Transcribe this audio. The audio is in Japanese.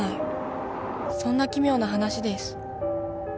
そんな奇妙な話です］